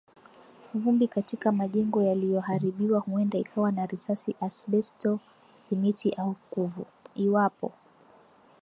Vumbi katika majengo yaliyoharibiwa huenda ikawa na risasi, asbesto, simiti, au kuvu. Iwapo